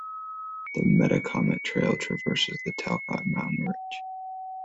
The Metacomet Trail traverses the Talcott Mountain ridge.